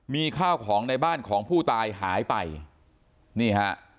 มีข้าวของในบ้านของผู้ตายหายไปนี่ฮะ